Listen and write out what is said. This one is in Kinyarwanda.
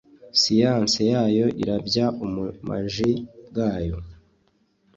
Siyanse yayo irabya ubumaji bwayo